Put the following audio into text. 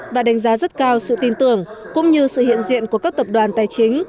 và đánh giá rất cao sự tin tưởng cũng như sự hiện diện của các tập đoàn tài chính